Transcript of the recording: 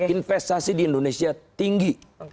investasi di indonesia tinggi